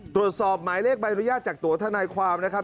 ตรวจสอบหมายเลขใบอนุญาตจากตัวทนายความนะครับ